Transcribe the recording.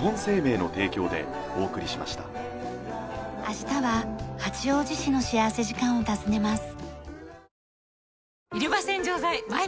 明日は八王子市の幸福時間を訪ねます。